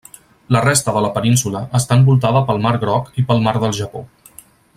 La resta de la península està envoltada pel mar Groc i pel mar del Japó.